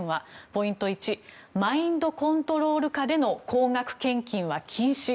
ポイント１マインドコントロール下での高額献金は禁止。